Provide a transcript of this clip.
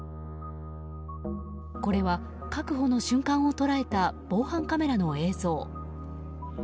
これは確保の瞬間を捉えた防犯カメラの映像。